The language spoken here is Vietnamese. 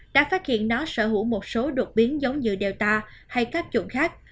đã phát hiện nó sở hữu một số đột biến giống như delta hay các chủng khác